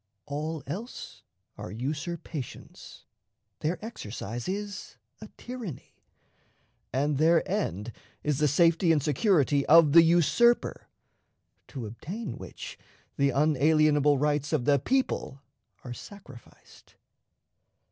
All else are usurpations, their exercise is a tyranny, and their end is the safety and security of the usurper, to obtain which the unalienable rights of the people are sacrificed.